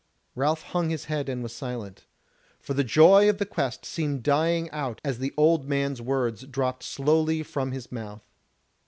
Ralph hung his head and was silent; for the joy of the Quest seemed dying out as the old man's words dropped slowly from his mouth.